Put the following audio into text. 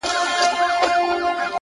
o په سپورمۍ كي ستا تصوير دى ـ